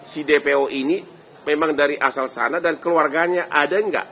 si dpo ini memang dari asal sana dan keluarganya ada nggak